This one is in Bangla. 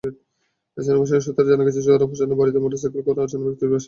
স্থানীয় বাসিন্দা সূত্রে জানা যায়, সোহরাব হোসেনের বাড়িতে মোটরসাইকেলে করে অচেনা ব্যক্তিরা আসেন।